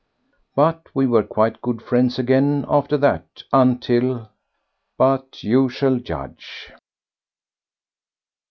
But we were quite good friends again after that until— But you shall judge.